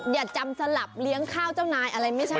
อย่าจำสลับเลี้ยงข้าวเจ้านายอะไรไม่ใช่